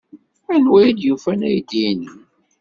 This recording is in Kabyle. Anwa ay d-yufan aydi-nnem?